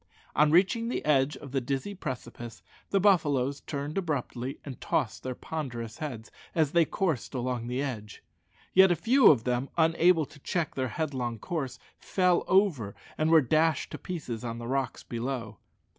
On reaching the edge of the dizzy precipice, the buffaloes turned abruptly and tossed their ponderous heads as they coursed along the edge. Yet a few of them, unable to check their headlong course, fell over, and were dashed to pieces on the rocks below.